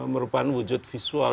merupakan wujud visual